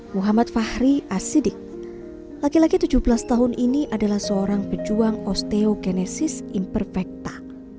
muhammad fahri asidik laki laki tujuh belas tahun ini adalah seorang pejuang osteogenesis imperfecta